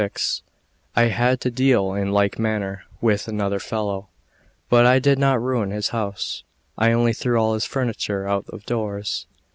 XXVI I HAD to deal in like manner with another fellow, but I did not ruin his house; I only threw all his furniture out of doors.